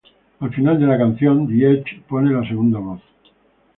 Al final de la canción, The Edge pone la segunda voz.